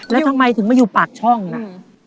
แล้วทำไมถึงมาอยู่ปากช่องน่ะ